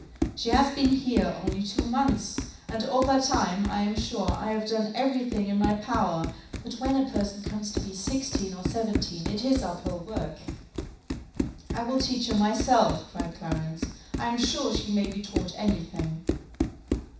"She has been here only two months, and all that time, I am sure, I have done every thing in my power; but when a person comes to be sixteen or seventeen, it is up hill work." "I will teach her myself," cried Clarence: "I am sure she may be taught any thing."